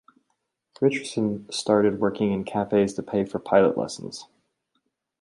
Richardson started working in cafes to pay for pilot lessons.